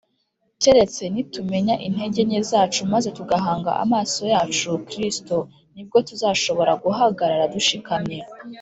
keretse nitumenya intege nke zacu maze tugahanga amaso yacu kristo, ni bwo tuzashobora guhagarara dushikamye